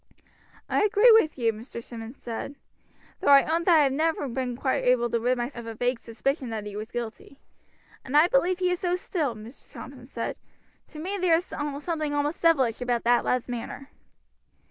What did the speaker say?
"I agree with you," Mr. Simmonds said, "though I own that I have never been quite able to rid myself of a vague suspicion that he was guilty." "And I believe he is so still," Mr. Thompson said. "To me there is something almost devilish about that lad's manner."